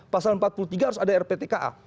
pasal empat puluh tiga harus ada rptka